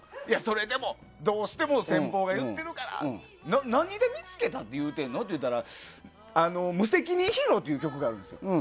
いや、それでも、どうしても先方が言ってるから、何で見つけたって言うてんの？って言ったら、無責任ヒーローっていう曲があるんですよ。